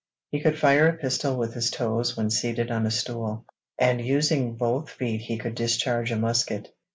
He could fire a pistol with his toes when seated on a stool, and using both feet he could discharge a musket.